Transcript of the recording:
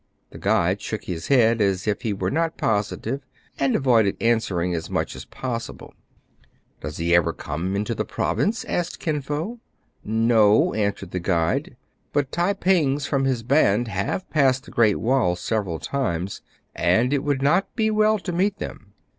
The guide shook his head as if he were not positive, and avoided answering as much as possible. " Does he ever come into the province ?" asked Kin Fo. "No," answered the guide; "but Tai pings from his band have passed the Great Wall several times, and it would not be well to meet them.